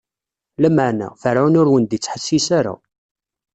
Lameɛna, Ferɛun ur wen-d-ittḥessis ara.